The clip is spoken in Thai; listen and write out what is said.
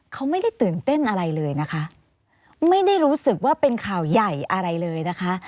เขาไม่ได้ตื่นเต้นอะไรเลยนะคะไม่ได้รู้สึกว่าเป็นข่าวใหญ่อะไรเลยนะคะ